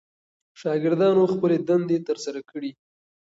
شاګردانو خپلې دندې ترسره کړې.